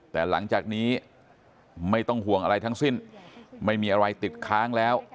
แต่หลังจากนี้ไม่ต้องห่วงอะไรทั้งสิ้นไม่มีอะไรติดค้างแล้ว